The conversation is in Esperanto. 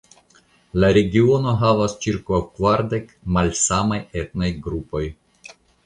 La regiono havas ĉirkaŭ kvardek malsamaj etnaj grupoj.